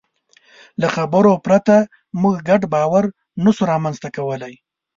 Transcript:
له خبرو پرته موږ ګډ باور نهشو رامنځ ته کولی.